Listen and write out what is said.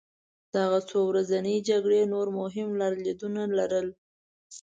دغه څو ورځنۍ جګړې نور مهم لرلېدونه لرل.